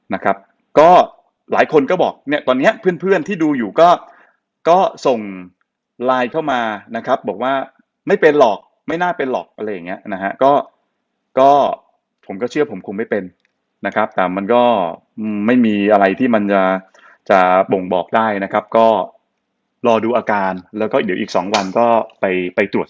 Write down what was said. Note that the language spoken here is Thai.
นะครับก็หลายคนก็บอกเนี่ยตอนเนี้ยเพื่อนเพื่อนที่ดูอยู่ก็ก็ส่งไลน์เข้ามานะครับบอกว่าไม่เป็นหรอกไม่น่าเป็นหรอกอะไรอย่างเงี้ยนะฮะก็ก็ผมก็เชื่อผมคงไม่เป็นนะครับแต่มันก็ไม่มีอะไรที่มันจะจะบ่งบอกได้นะครับก็รอดูอาการแล้วก็เดี๋ยวอีกสองวันก็ไปไปตรวจ